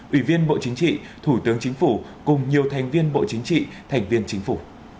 ủy viên bộ chính trị thủ tướng chính phủ cùng nhiều thành viên bộ chính trị thành viên chính phủ